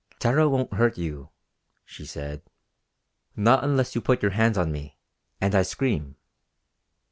"Tara won't hurt you," she said. "Not unless you put your hands on me, and I scream.